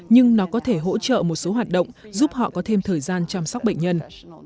nhưng nó có thể hỗ trợ một số hoạt động giúp họ có thêm thời gian chăm sóc bệnh nhân